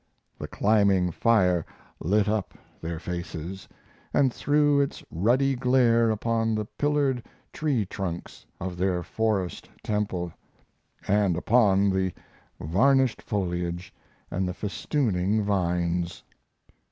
The climbing fire lit up their faces and threw its ruddy glare upon the pillared tree trunks of their forest temple, and upon the varnished foliage and the festooning vines.